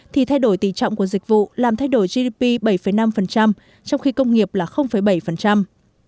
thì thay đổi tỷ trọng của dịch vụ làm thay đổi gdp bảy năm trong khi công nghiệp là bảy